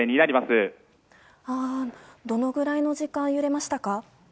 どのくらいの時間揺れましたか。